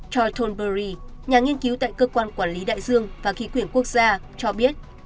charles tonbury nhà nghiên cứu tại cơ quan quản lý đại dương và khí quyển quốc gia cho biết